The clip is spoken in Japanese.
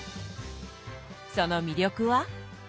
その魅力は？